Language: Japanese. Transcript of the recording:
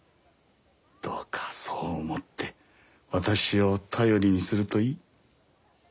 どうかそう思って私を頼りにするといい。